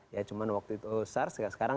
ya cuma waktu itu sars sekarang